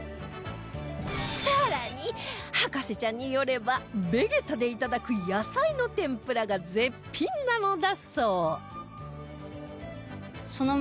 更に博士ちゃんによればベゲタでいただく野菜の天ぷらが絶品なのだそう